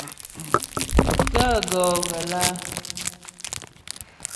Gaə̂ gɔ́ ghə lǎ ?